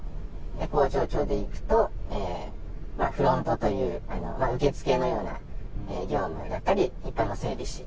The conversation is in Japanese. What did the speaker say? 工場長でいくと、フロントという、まあ受け付けのような業務だったり、一般の整備士。